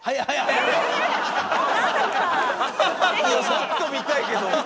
もっと見たいけど。